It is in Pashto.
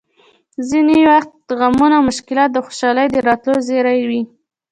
ځینې وخت غمونه او مشکلات د خوشحالۍ د راتلو زېری وي!